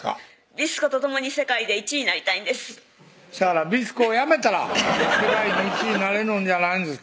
「ビスコ」と共に世界で１位になりたいんですせやから「ビスコ」をやめたら世界で１位になれんのんじゃないんですか？